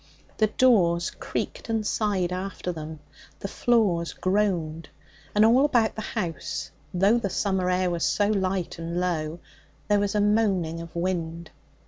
The doors creaked and sighed after them, the floors groaned, and all about the house, though the summer air was so light and low, there was a moaning of wind.